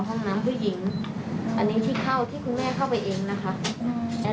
ห้องน้ำผู้หญิงอันนี้ที่เข้าที่คุณแม่เข้าไปเองนะคะ